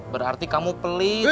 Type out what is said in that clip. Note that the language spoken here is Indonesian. berarti kamu pelit